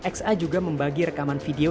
xa juga membagi rekaman video